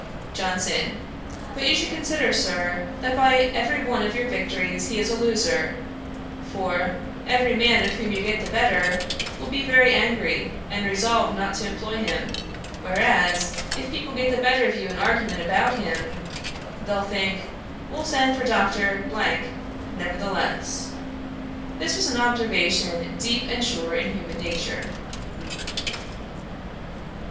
JOHNSON. 'But you should consider, Sir, that by every one of your victories he is a loser; for, every man of whom you get the better, will be very angry, and resolve not to employ him; whereas if people get the better of you in argument about him, they'll think, "We'll send for Dr. nevertheless."' This was an observation deep and sure in human nature.